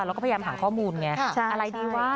เขาก็พยายามหาข้อมูลอย่างนี้อะไรดีว่า